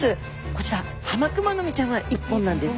こちらハマクマノミちゃんは１本なんです。